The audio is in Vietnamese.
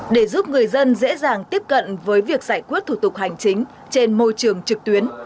để giúp người dân dễ dàng tiếp cận với việc giải quyết thủ tục hành chính trên môi trường trực tuyến